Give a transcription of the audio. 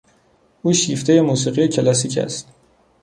او شیفتهی موسیقی کلاسیک است.